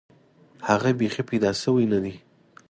هغه بیخي پیدا شوی نه دی.